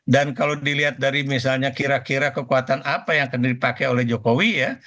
dan kalau dilihat dari misalnya kira kira kekuatan apa yang akan dipakai oleh jokowi ya